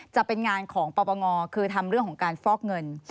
จะเป็นงานของปปงคือทำเรื่องของการฟอกเงิน